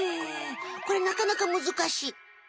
これなかなかむずかしい。